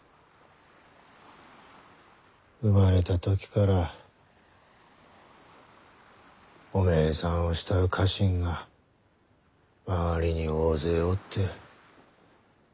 生まれた時からおめえさんを慕う家臣が周りに大勢おって。